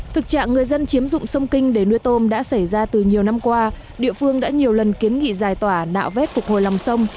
thực trạng người dân chiếm dụng sông kinh để nuôi tôm đã xảy ra từ nhiều năm qua địa phương đã nhiều lần kiến nghị giải tỏa nạo vét phục hồi lòng sông